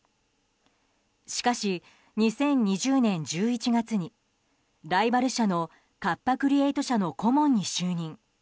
しかし、２０２０年１１月にライバル社のカッパ・クリエイト社の顧問に就任。